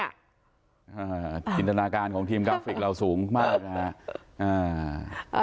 อ่าอินทนาการของทีมกราฟฟิกเราสูงมากน่ะอ่า